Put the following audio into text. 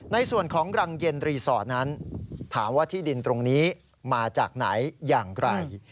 ในส่วนของรังเย็นรีสอร์ทนั้นถามว่าที่ดินตรงนี้มาจากไหนอย่างไร